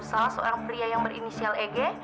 salah seorang pria yang berinisial eg